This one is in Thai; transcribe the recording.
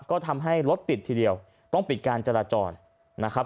ก็ทำให้รถติดทีเดียวต้องปิดการจราจรนะครับ